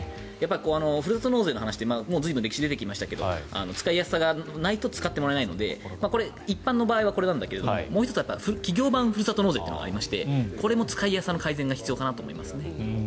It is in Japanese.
ふるさと納税の話って随分、歴史出てきましたが使いやすさがないと使ってもらえないので一般の場合はこれなんだけどもう１つは企業版ふるさと納税というのがありましてこれも使いやすさの改善が必要かなと思いますね。